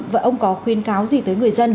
vậy ông có khuyên cáo gì tới người dân